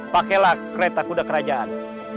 pakailah kereta kuda kerajaan